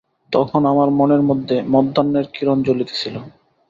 তখন আমার মনের মধ্যে মধ্যাহ্নের কিরণ জ্বলিতেছিল।